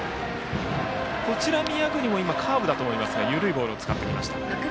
こちら、宮國もカーブだと思いますが緩いボールを使ってきました。